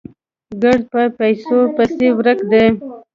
ګړد په پيسو پسې ورک دي